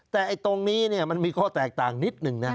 แต่ตรงนี้มันมีข้อแตกต่างนิดหนึ่งนะ